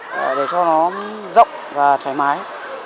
để cho nó rộng và thoải mái